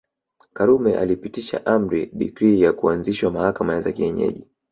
Karume alipitisha amri decree ya kuanzishwa mahakama za kienyeji